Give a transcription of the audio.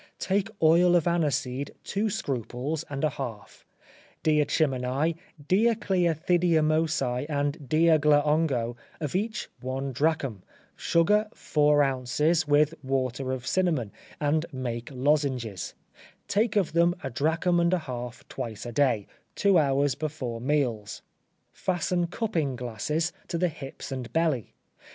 Take oil of aniseed two scruples and a half; diacimini, diacliathidiamosei and diagla ongoe, of each one drachm, sugar four ounces, with water of cinnamon, and make lozenges; take of them a drachm and a half twice a day, two hours before meals; fasten cupping glasses to the hips and belly.